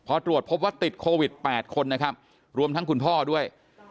พอตรวจพบว่าติดโควิด๘คนนะครับรวมทั้งคุณพ่อด้วย